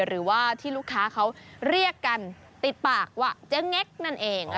หรือว่าที่ลูกค้าเขาเรียกกันติดปากว่าเจ๊เง็กนั่นเอง